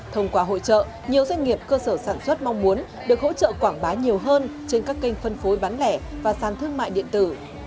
thông qua hội trợ nhiều doanh nghiệp cơ sở sản xuất mong muốn được hỗ trợ quảng bá nhiều hơn trên các kênh phân phối bán lẻ và sàn thương mại điện tử